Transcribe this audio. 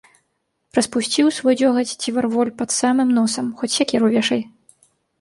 Распусціў свой дзёгаць ці варволь пад самым носам, хоць сякеру вешай.